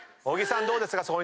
小木さんどうですか？